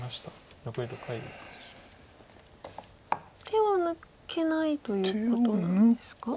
手を抜けないということなんですか？